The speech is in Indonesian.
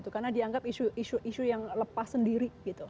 karena dianggap isu isu yang lepas sendiri